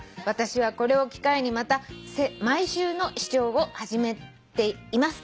「私はこれを機会にまた毎週の視聴を始めています」